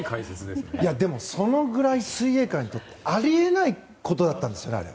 そのぐらい水泳界にとってあり得ないことだったんですあれ。